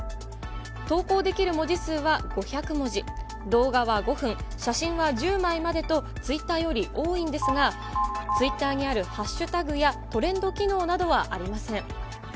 投稿できる文字数は５００文字、動画は５分、写真は１０枚までと、ツイッターより多いんですが、ツイッターにあるハッシュタグやトレンド機能などはありません。